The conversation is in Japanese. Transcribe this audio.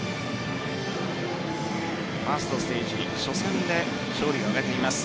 ファーストステージ初戦で勝利を挙げています。